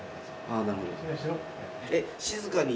あなるほど。